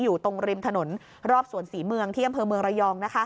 อยู่ตรงริมถนนรอบสวนศรีเมืองที่อำเภอเมืองระยอง